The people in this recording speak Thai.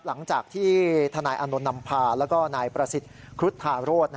หลังจากที่ทนายอานนท์นำพาแล้วก็นายประสิทธิ์ครุฑธาโรธ